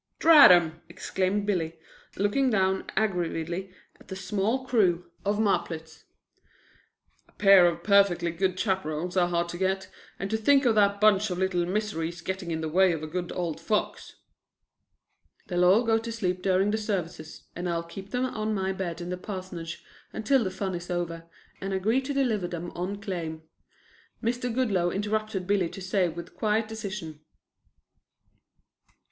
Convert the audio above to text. "Drat 'em!" exclaimed Billy, looking down aggrievedly at the small crew of marplots. "A pair of perfectly good chaperons are hard to get, and to think of that bunch of little miseries getting in the way of a good old fox " "They'll all go to sleep during the services and I'll keep them on my bed in the parsonage until the fun is over, and agree to deliver them on claim," Mr. Goodloe interrupted Billy to say with quiet decision.